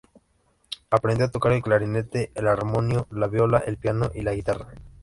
Aprendió a tocar el clarinete, el armonio, la viola, el piano y la guitarra.